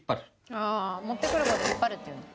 あ持ってくる事を「引っ張る」って言うんだ。